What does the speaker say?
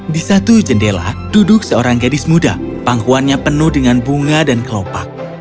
di satu jendela duduk seorang gadis muda pangkuannya penuh dengan bunga dan kelopak